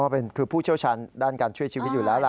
เป็นคือผู้เชี่ยวชาญด้านการช่วยชีวิตอยู่แล้วล่ะ